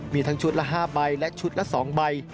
มีทั้งชุดละ๕ใบและชุดละ๒ใบ